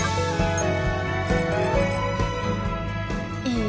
いい？